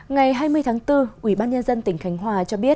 ngày hai mươi tháng bốn ủy ban nhân dân tỉnh khánh hòa cho biết